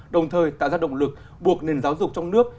đồng thời tạo ra động lực buộc nền giáo dục trong nước